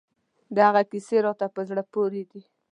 د هغه کیسې راته په زړه پورې دي.